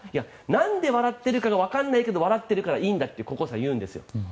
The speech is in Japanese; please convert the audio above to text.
なんで笑っているかわからないけど笑っているからいいんだと高校生は言うんですよ。